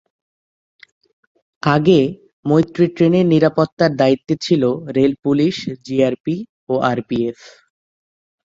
আগে মৈত্রী ট্রেনের নিরাপত্তার দায়িত্বে ছিল রেল পুলিশ জিআরপি ও আরপিএফ।